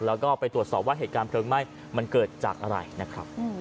แล้วก็ไปตรวจสอบว่าเหตุการณ์เพลิงไหม้มันเกิดจากอะไรนะครับ